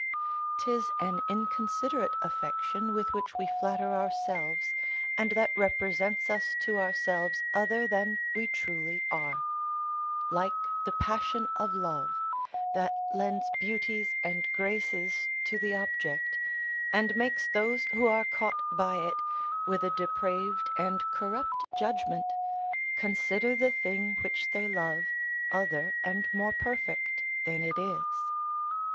'Tis an inconsiderate affection with which we flatter ourselves, and that represents us to ourselves other than we truly are: like the passion of love, that lends beauties and graces to the object, and makes those who are caught by it, with a depraved and corrupt judgment, consider the thing which they love other and more perfect than it is.